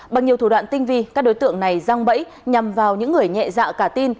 bằng nhiều thủ đoạn tinh vi các đối tượng này răng bẫy nhằm vào những người nhẹ dạ cả tin